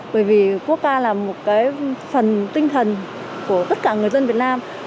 bởi vì quốc ca là một cái phần tinh thần của tất cả người dân việt nam